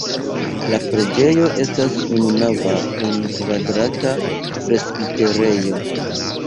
La preĝejo estas ununava kun kvadrata presbiterejo.